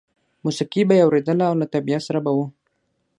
موسیقي به یې اورېدله او له طبیعت سره به و